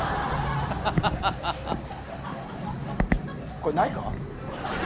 これないか？